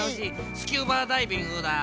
スキューバダイビングだ。